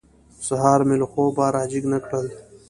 سهار مې له خوبه را جېګ نه کړل.